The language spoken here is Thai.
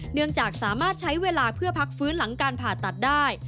เนื่องจากสามารถใช้เวลาเพื่อพักฟื้นหลังการผ่าตัดได้